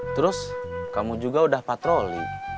terus kamu juga udah patroli